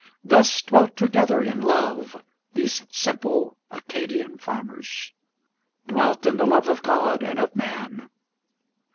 Thus dwelt together in love these simple Acadian farmers, Dwelt in the love of God and of man.